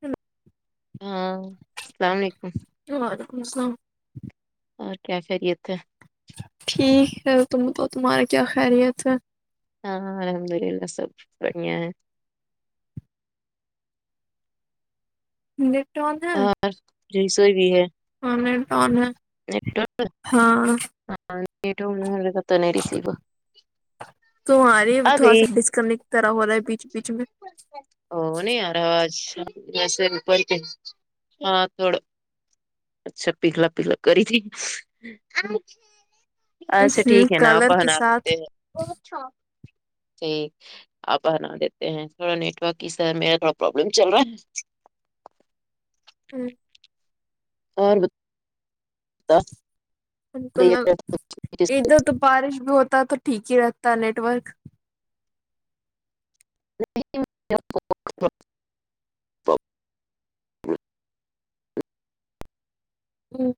hello ہاں اسلام علیکم وعلیکم السلام اور کیا خیریت ہے ٹھیک ہے تم تو تمہارے کیا خیریت ہے ہاں الحمد للہ سب بڑھیا ہے نیٹ آن ہے اور رسوئی بھی ہے ہاں نیٹ آن ہے ہاں ہاں لیٹ ہوگی ہوں لے کے چلے ریسور تمہارا بھی تھوڑا گئی سا ڈس کنیکٹ طرح ہو رہا ہے بیچ بیچ ا نہیں ارہا ہے آج ویسے اپر ہاں تھوڑا اچھا پیگلا پیگلا کری تھی اچھا میں ٹھیک ہے نا کلر آپا کے ہنا لیتے ساتھ ہیں ٹھیک آپ بنا دیتے ہیں تھوڑا نیٹ ورک کی سر میرا تھوڑا پربلم چل رہا ہے ہوں اور ڈا بالکل ادھر تو بارش بھی ہوتا ہے تو ٹھیک ہی رہتا ہے نیٹورک [inaudible] ہوں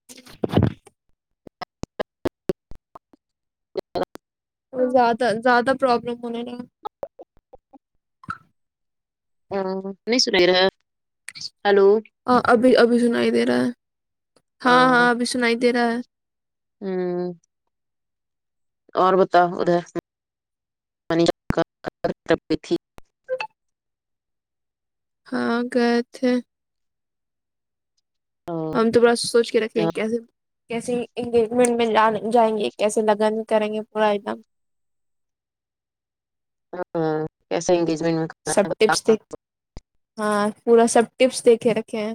اور زیادہ زیادہ پروابلم ہونے نا ا نہیں سنے رہا ہیلو ہاں ابھی ابھی سنائی دے رہا ہے ہاں ہاں ابھی سنائی دے رہا ہے ہاں اور بتاؤ ادھر تھی ہاں گئے تھے ہم تو بڑا سوچ کے رکھے ہیں کیسے کیسے انگیجمنٹ میں جائیں گے کیسے لگن کریں گے پورا ایک دم ہاں ایسا انگیجمٹ میں سب ٹیپس دیک ہاں پورا سب ٹیپس دیکھے رکھے ہیں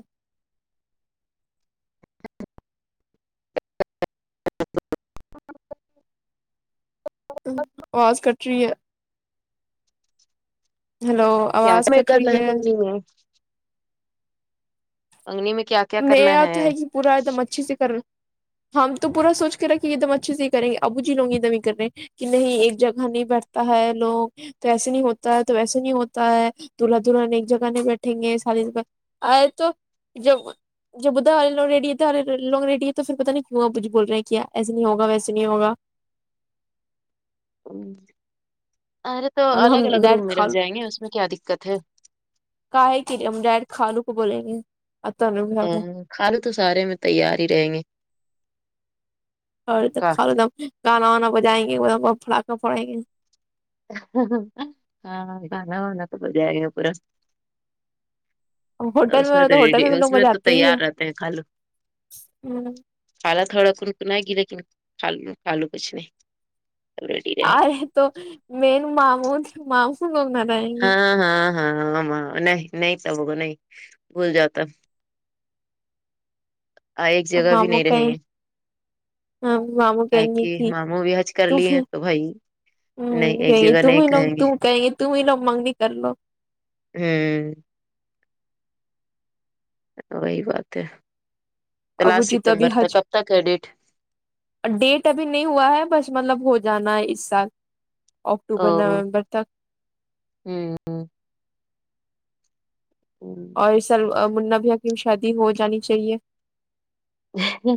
آواز کٹ رہی ہے ہیلو آواز کٹ رہی ہے ہمم انگنی میں کیا کیا میں کرنا تو ہے کہ پورا ایک دم اچھے سے کرو ہم تو پورا سوچ کے رکھے ایک دم اچھے سے ہی کریںے ابو جی ہوں گے تو نہیں کرنے دیں گے کہ نہیں ایک جگہ نہیں بیٹھتا ہے لوگ تو ایسے نہیں ہوتا ہے تو ویسے نہیں ہوتا ہے دلہا دلہان ایک جگہ نہیں بیٹھیں گے سادیگہ آئے تو جب جب بدا ہرے لوگ ریڈی ہے تو ارے لوگ ریڈی ہے تو پھر پتا نہیں کیوںا کچھ بول رہے ہیں کیا ایسے نہیں ہوگ ویسے نہیں ہوگ ارے تو ہم الگ ہم الگ روم ڈائریکٹ میں کھا رہ جائیں گے اس میں کیا دقت ہے کہ ہے کہ ہم ڈائریکٹ خالو کو بولیں گے [unintelligible] ہ خالو تو سارے میں تیار ہی رہیں گے اور کا ک ایک دم گانا وانا بجائیں گے ایکم پھڑا کر پھڑیں گے ہاں گھانا وان تو بجے آ گیا پورا ہوٹل اس میں تو ہوٹل ریڈی ہم لوگ اس میں تو بجاتے ہی تیار ہے رہتے ہیں خالو خالہ تھوڑا کن کنائی گی لیکن خالو کچھ نہیں ریڈی رہیں آ گے رہے تو مین مامو مامو لوگ نہ رہیں گے ہاں ہاں ہاں نہیں نہیں تبو نہیں بھول جاتا آ ایک جگہ بھی نہیں رہیں گے ہاں ماموں کاہے کہیں گے کہ ماموں بھی حج کر تو لیے ہیں ہ بھائی نہیں ایک کہیں گے جگہ تم نہیں ہی لوگ کہیں گے تم ہی لوگ مگنی کر لو ہاں وہی بات ہے تو ابو لسٹ جی ابھی ستمبر تک حج کب تک ہے ڈیٹ ڈیٹ ابھی نہیں ہوا ہے بس مطلب ہو جانا ہے اس سال او اکٹوبر نومبر تک ہوں ہ اور اور اس سال منہ بھائییا کی بھی شادی ہو جانی چاہیے م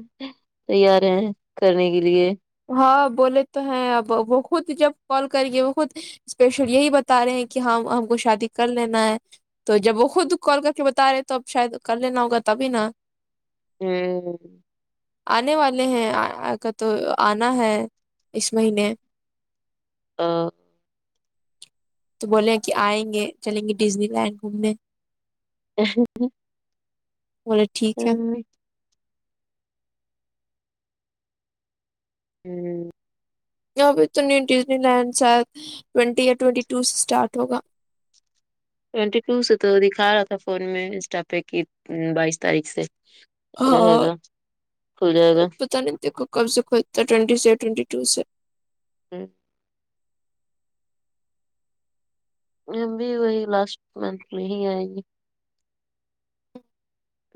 ث ہیں کرنے کے لیے ہاں بولے تو ہیں اب وہ خود جب کال کرینگے وہ خود اسپیشل یہی بتا رہے ہیں کہ ہم ہم کو شادی کر لینا ہے تو جب وہ خود کال کر کے بتا رہے تو اب شاید کر لینا ہوگا تبھی نا ہاں آنے والے ہیں کا تو آنا ہے اس مہینے آ، تو بولے ہیں کہ آئیں گے چلیں گے ڈزنی لینڈ گھومنے بولے ٹھیک ہے ہوں، ہوں یہاںبھی تو نیو ڈزنی لینڈ شاید ٹوئنٹی یہ ٹوئنٹی ٹو سے اسٹارٹ ہوگا ٹوئنٹی ٹو سے تو دکھا رہا تھا فون میں انسٹا پہ کی بائیس تاریخ سے رہے گا کھل جائے گا تو [unintelligible] کب سے کھولتا ہے ٹوینٹی سے ٹوینٹی ٹو سے ہوں، میں بھی وہی لاسٹ منتھ میں ہی آئے گی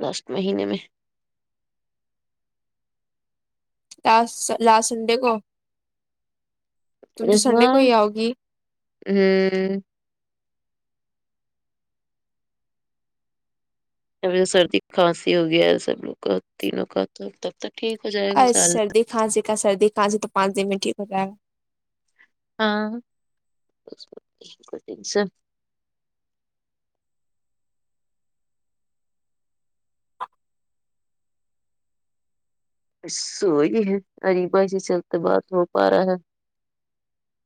لاسٹ مہینے میں لاسٹ لاسٹ سنڈے کو تم ا تو سنڈے کو ہوں ہی آؤ گی جب سردی کھانسی ہو گیا ہے سب لوگ کا تینوں کا تو تب تک ٹھیک ہو جائے گا ان ارے شاء اللہ سردی کھانسی کا سردی کھانسی تو پانچ دن میں ٹھیک ہو جائے ہے ہاں کوئی ٹینشن سوئی ہے اریبھائی سے چلتے بات ہو پا رہا ہے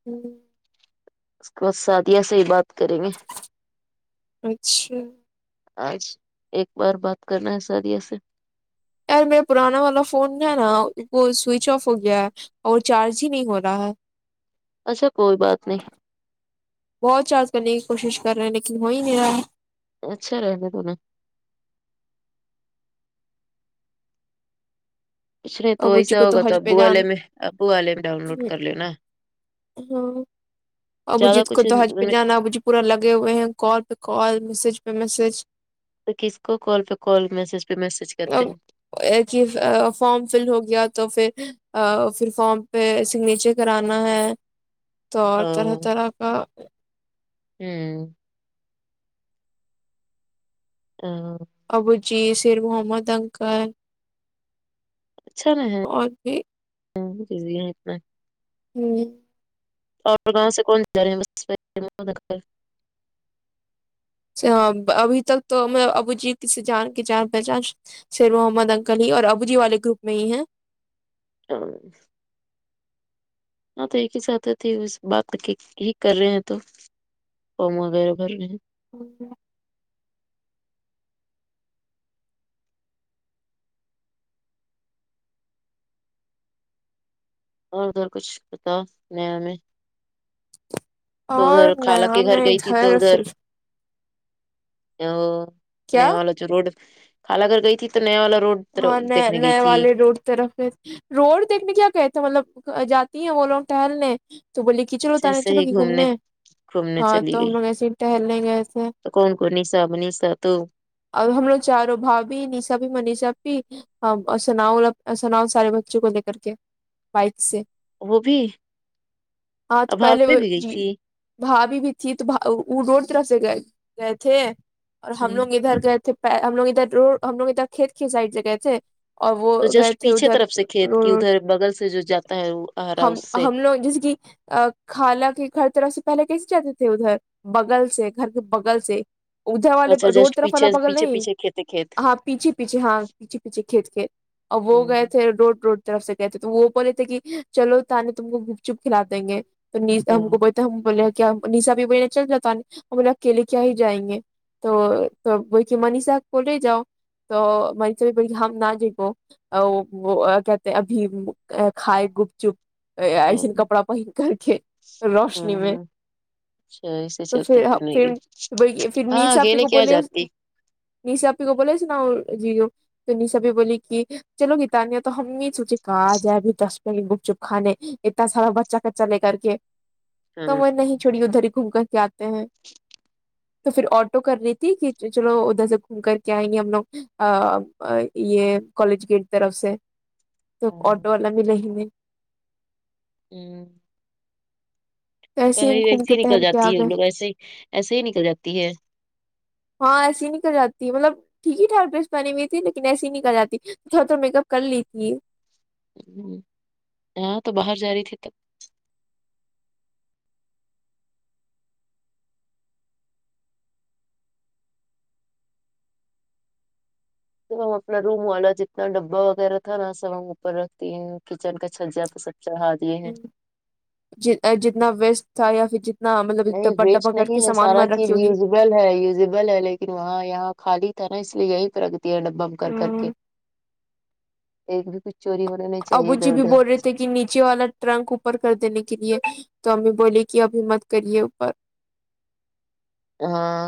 ہوں، اس کے بعد سعادیہ سے ہی بات کریں گے اچھا آج ایک بار بات کرنا ہے سادیہ سے یار میرا پرانا والا فون ہے نا وہ سوئچ آف ہو گیا ہے اور چارج ہی نہیں ہو رہا ہے اچھا کوئی بات نہیں بہت چارج کرنے کی کوشش کر رہے ہیں لیکن ہو ہی نہیں رہا ہے اچھا رہےگا تونے اسلئے تو ابو جی ایسا کو ہوگا تو حج ابو پہ والے میں جانا ابو والے میں ڈاؤن لوڈ کر لو نا ہاں ابو جی زیادہ کو کچھ تو حج پہ جانا ہے ابوجی پورا لگے ہوئے ہیں کال پے کال میسج پے میسج تو کس کو کال پے کال میسج پے میسج کرتے ہیں [unintelligible] فارم فیل ہو گیا تو فیر فیر فارم پے سگنیچر کرانا ہے تو اور طرح طرح کا ہمم آمم ابو جی سیر محمد انکل اچھا اور بھی [unintelligible] ہمم اور گاؤں سے کون جا رے [unintelligible] ابھی تک تو ابو جی کسی جان کی جان پہچان شیر محمد انکل ہی اور ابو جی والے گروپ میں ہی ہیں [unintelligible] ہاں تو ایک ہی ساتھ تھی اس بات کی ہی کر رہے ہیں تو فارم وغیرہ بھر رہے ہیں ہوگیا اور ادھر کچھ بتاؤ نیا میں تو اور ادھر خالہ نیا کے گھر میں گئی تھی تو ادھر فل آ کیا نیا والا جو روڈ خالہ گھر گئی تھی تو نیا والا روڈ ہاں نے دیکھنے گئی نئے تھی والے روڈ طرف ہے روڈ دیکھنے کیا کہتا مطلب جاتی ہیں وہ لوگ ٹہلنے تو بولی کی چلو اچھا تانیا ایسے چلو ہی گی گھومنے گھومنے ہاں چلی تو ہم گئی لوگ ایسے ہی ٹہلنے گئے تھے تو کون کون نسا منیسا تو اور ہم لوگ چاروں بھابی نیشا بھی منیشا بھی سناؤ سناؤ سارے بچوں کو لے کر کے بائک سے وہ بھی ہاں تو پہلے ابھاوے وہ بھی گئی جی تھی بھابی بھی تھی تو وہ روڈ طرف سے گئے گئے تھے اور ہم لوگ ادھر گئے تھے ہم لوگ ادھر رو ہم لوگ ادھر کھیت کی سائڈ سے گئے تھے اور وہ تو گئے جسٹ تھے پیچھے ادھر طرف سے کھیت کی روڈ ادھر بغل سے جو جاتا ہے وہ آ رہا ہم اس سے ہم لوگ جسے کی آ خالا کی گھر طرف سے پہلے کیسے جاتے تھے ادھر بغل سے گھر کے بغل سے ادھر والے اچھا روڈ جسٹ طرف الا پیچھے بغل پیچھے نہیں پیچھے کھیت ہے کھیت ہاں پیچھے پیچھے ہاں پیچھے پیچھے کھیت کے اور ہوں وہ گئے تھے روڈ روڈ طرف سے گئے تھے تو وہ بولے تھے کی چلو تانیا تم کو گپ چپ کھلا دیں گے تو نی ہم ہوں کو بولتے ہم بولے کیا نسا اپی بولے چل جا تانیا ہم بولے اکیلے کیا ہی جائیں گے تو تو بولے کے منیشا کو جاؤ تو منیشا بھی ہم نہ جب آ وہ کہتے ہیں ابھی کھائے گپ چپ ایسن ہوں کپڑا پہن کر کے روشنی میں ہوں اچھا ایسے تو چلتے فیر پھرنے کی فیر فیر ہاں نیسا آپی اکیلے کو کیا بولے جاتی نیسا آپی کو بولے سنا جی تو نی سبی بھی بولی کی چلو گی تانیہ تو ہم یے سوچے کہاں آ جائے ابھی دس روپے کی گپ چپ کھانے اتنا سارا بچا کچا لے کر کے ہاں ہاں [unintelligible] آتے ہیں تو فیر آٹو کر رہی تھی کی چلو ادھر سے گھوم کر کے آئیں گے ہم لوگ یہ کالج گیٹ طرف سے تو آٹو والا ملا ہی نہیں آمم تو ایسے گھوم وسے کے ہی نکل ٹہل کے آ جاتی ہے گئے ان لوگ ایسے ہی ایسے ہی نکل جاتی ہے ہاں ایسی نکل جاتی مطلب ٹھیک ہی ٹھاک ڈریس پہنےوی تھی لیکن ایسے نکل جاتی ہے تھوڑا تھوڑا میک اپ کر لی تھی ہ ہاں تو باہر جا رہی تھی تب تو ہم اپنا روم والا جتنا ڈبا وغیرہ تھا نا سب ہم اوپر رکھتی ہیں کچن کا چھجا پہ سب چاڈا جتنا ویسٹ تھا یا پھر جت نہ مطلب ایک ڈبا ڈبہ کر کے سامان وامان رکھی ہوگی یوزیبل یوزیبل ہے لیکن وہاں یہاں خالی تھا نا اس لیے یہی پرگ ڈبا کر کر کے ایک بھی کچھ چوری ہونے نے ابو جی بھی بول رہے تھے کہ کہ نیچے والا ٹرنک اوپر کر دینے کے لیے تو امی بولیے کہ ابھی مت کریے اوپر ہاں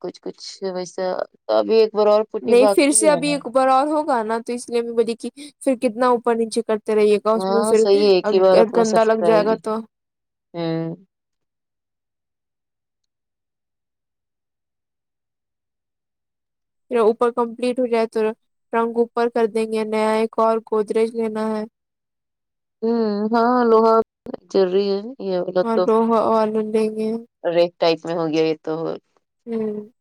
کچھ کچھ ویسا تو ابھی ایک بار اور پٹی نہیں پھر باقی سے ہے ابھی نا ایک اوبر اور ہوگا نا تو اس لیے میں بولی کی پھر کتنا اوپر نیچے کرتے رہیے گا اس میں ہاں پھر صحیح ہے ایک ہی ا گندا لگ جائے گا تو ہمم پھر اوپر کمپلیٹ ہو جائے تو رنگ اوپر کر دیں گے نیا ایک اور گودریج لینا ہے ہ ہاں لوہا ضروری ہے یہ اور لوہا اور لیں گے ریٹ ٹائپ میں ہو گیا یہ تو ہوں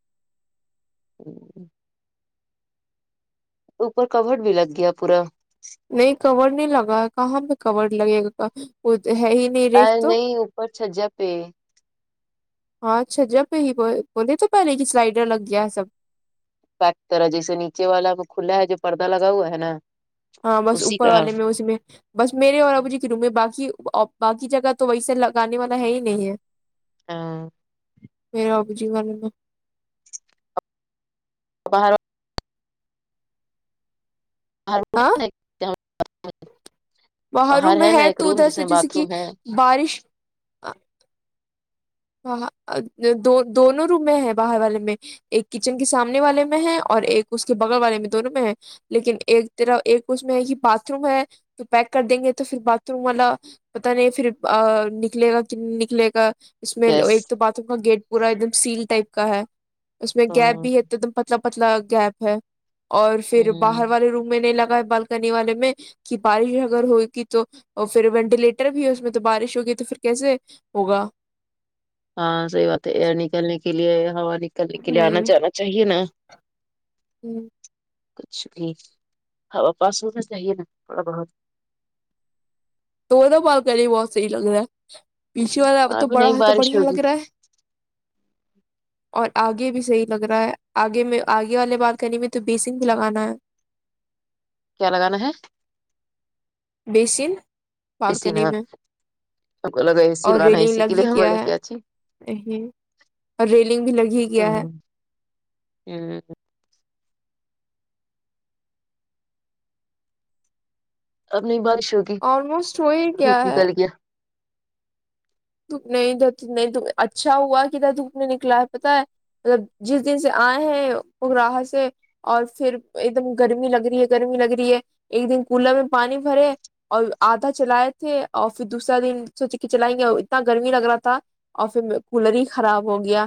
ہمم اوپر کبڈ بھی لگ گیا پورا نہیں کبڈ نہیں لگا کہاں پ کبڈ لگے گا ہے ہی نہیں آ ریک تو نہیں اوپر چھجا پہ ہاں چھجا پہ ہی بول بولے تو پہلے کی سلائڈر لگ گیا ہے سب پیکٹر ہے جیسے نیچے والا وہ کھلا ہے جو پردہ لگا ہوا ہے نا ہاں بس اسی اوپر کا والے میں اس میں بس میرے اور ابو جی کی روم میں باقی باقی جگہ تو ویسے لگانے والا ہے ہی نہیں ہے ہاں میرا ابو جی مانے نہ [unintelligible] باہر آ باہر روم میں نا ہے ایک تو روم ادھر جس سے میں جیسے باتھ کہ روم ہے بارش دو دونوں رومیں ہیں باہر والے میں ایک کچن کے سامنے والے میں ہے اور ایک اس کے بغل والے میں دونوں میں ہے لیکن ایک طرف ایک اس میں ہے کہ باتھ روم ہے تو پیک کر دیں گے تو پھر باتھ روم والا پتا نہیں پھر نکلے گا کہ نکلے گا اس میں گیس ایک تو باتھ روم کا گیٹ پورا ایک دم سیل ٹائپ کا ہے اس میں گیپ ہاں بھی ہے ایک دم پتلا پتلا گیپ ہے اور پھر ہوں باہر والے روم میں نہیں لگا ہے بلک کرنے والے میں کہ بارش اگر ہوئےگی تو اور پھر وینٹیلیٹر بھی اس میں تو بارش ہوگی تو پھر کیسے ہوگا ہاں صحیح بات ہے ایئر نکلنے کے لیے ہوا نکلنے کے لیے آنا جانا چاہیے نا ہوں کچھ بھی ہوا پاس ہونا چاہیے نا تھوڑا بہت تو تو بال کنی بہت صحیح لگ رہا ہے پیچھے والا اب تو نہیں بڑا ہے تو بارش بڑھیا ہوگی لگ رہا ہے اور آگے بھی صحیح لگ رہا ہے آگے میں آگے والے بات کرنے میں تو بیسن بھی لگانا ہے کیا لگانا ہے بیسن بیسن بالکنی میں سب کو لگا اے سی اور لگانا ہے ای ریلنگ سی کے لگ ہی لیے ہم بولے گیا لے کے ہے اچھی نہیں اور ریلنگ بھی لگ ہی گیا ہے ہمم اپنی بارش ہو آلموسٹ وہی کیا ہے دھوپ نہیں اچھا ہوا ادھر دھوپ نہیں نکلا ہے پتا ہے مطلب جس دن سے آئے ہیں وہ رہاہ سے اور پھر ایک دم گرمی لگ رہی ہے گرمی لگ رہی ہے ایک دن کولر میں پانی بھرے اور آدھا چلائے تھے اور پھر دوسرا دن سوچے کہ چلائیں گے اتنا گرمی لگ رہا تھا اور پھر کولر ہی خراب ہو گیا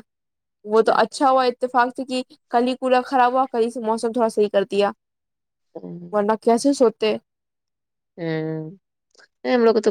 وہ تو اچھا ہوا اتفاق سے کی کل ہی کولا خراب ہوا کل سے موسم تھوڑا صحیح کر دیا ہوں ورنہ کیسے سوتے ھم ہم لوگ تو